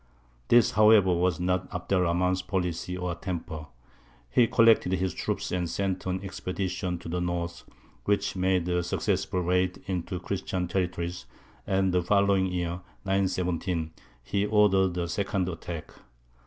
This, however, was not Abd er Rahmān's policy or temper. He collected his troops and sent an expedition to the north, which made a successful raid into the Christian territories; and the following year, 917, he ordered a second attack.